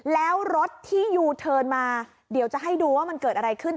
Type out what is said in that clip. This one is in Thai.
แล้วรถที่ยูเทิร์นมาเดี๋ยวจะให้ดูว่ามันเกิดอะไรขึ้น